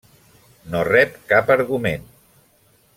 No rep cap argument.